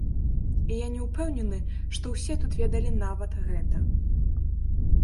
І я не ўпэўнены, што ўсе тут ведалі нават гэта.